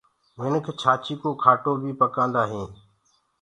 منک ڇآچيٚ ڪو کاٽو بيٚ پڪآندآ هينٚ۔